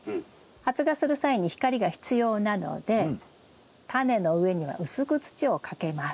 発芽する際に光が必要なのでタネの上には薄く土をかけます。